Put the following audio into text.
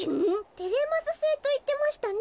「テレマスセイ」といってましたね。